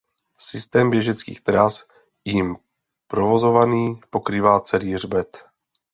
Systém běžeckých tras jím provozovaný pokrývá celý hřbet.